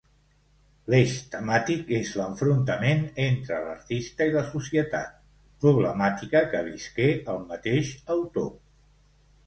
L'eix temàtic és l'enfrontament entre l'artista i la societat, problemàtica que visqué el mateix autor.